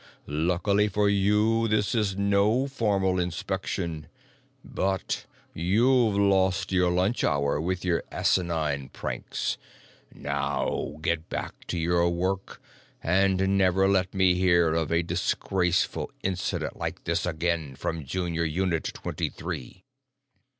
Luckily for you this is no formal inspection. But you've lost your lunch hour with your asinine pranks. Now get back to your work and never let me hear of a disgraceful incident like this again from Junior Unit Twenty Three."